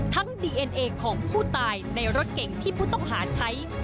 ดีเอ็นเอของผู้ตายในรถเก่งที่ผู้ต้องหาใช้